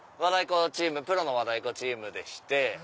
プロの和太鼓チームでして。